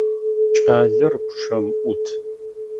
Кӏалэр пчъэм ӏут.